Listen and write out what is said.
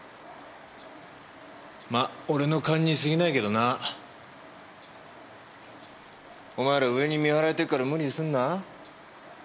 まあ俺の勘に過ぎないけどな。お前ら上に見張られてるから無理すんな。